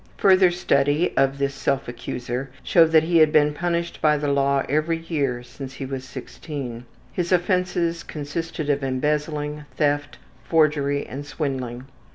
Further study of this self accuser showed that he had been punished by the law every year since he was 16. His offenses consisted of embezzling, theft, forgery, and swindling.